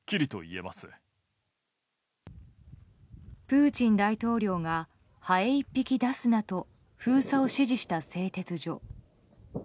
プーチン大統領がハエ１匹出すなと封鎖を指示した製鉄所。